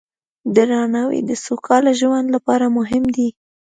درناوی د سوکاله ژوند لپاره مهم دی.